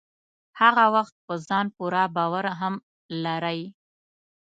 هغه وخت په ځان پوره باور هم لرئ.